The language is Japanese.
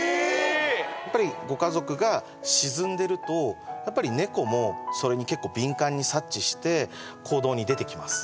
やっぱりご家族が沈んでるとやっぱり猫もそれに結構敏感に察知して行動に出てきます